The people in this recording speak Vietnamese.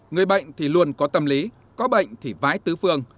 người bệnh thì luôn có tâm lý có bệnh thì vái tứ phương